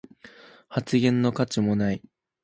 発言の価値もない